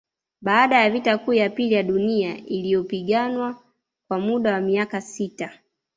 Baada ya vita kuu ya pili ya Dunia iliyopiganwa kwa muda wa miaka sita